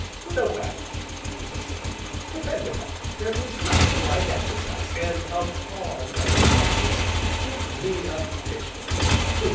"No, Adam," he was saying, "depend upon it, there is nothing like exercise, and, of all exercise, give me a pitch fork."